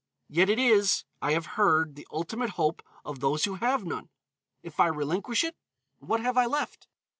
Yet it is, I have heard, the ultimate hope of those who have none. If I relinquish it, what have I left?